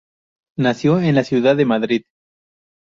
Nació en la ciudad de Madrid.